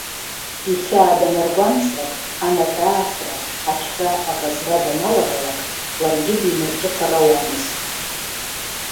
Ихьаа данаргәамҵлак, анаҳә-ааҳәра, ақьра-аӷызра даналагалак, ларгьы димырҿыхар ауамызт.